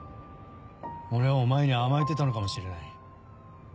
俺はお前に甘えてたのかもしれない。